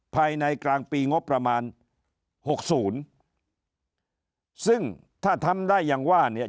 ภายในกลางปีงบประมาณหกศูนย์ซึ่งถ้าทำได้อย่างว่าเนี่ย